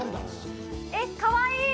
えっ、かわいい！